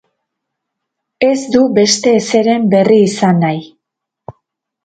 Ez du beste ezeren berri izan nahi.